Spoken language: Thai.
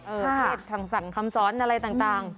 เพศทางสั่งคำสอนอะไรต่าง